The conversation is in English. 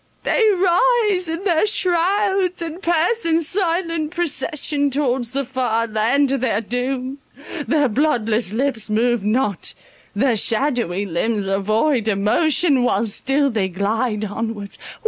They rise in their shrouds, and pass in silent procession towards the far land of their doom—their bloodless lips move not—their shadowy limbs are void of motion, while still they glide onwards.